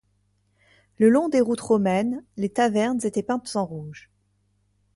Le long des routes romaines, les tavernes étaient peintes en rouge.